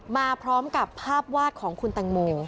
มาพร้อมกับภาพวาดของคุณแตงโม